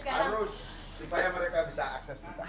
harus supaya mereka bisa akses kita